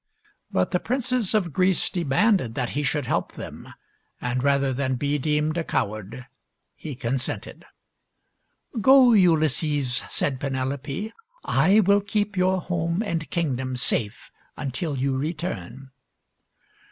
But the princes of Greece demanded that he should help them, and rather than be deemed a coward he consented. " Go, Ulysses," said Penelope, " I will keep your home and kingdom safe until you return."